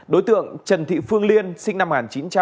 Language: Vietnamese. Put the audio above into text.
đối tượng trần thị phương liên sinh năm một nghìn chín trăm bốn mươi bảy